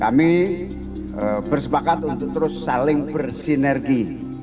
kami bersepakat untuk terus saling bersinergi